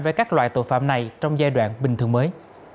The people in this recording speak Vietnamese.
với các loại tội phạm này trong giai đoạn bình thường mới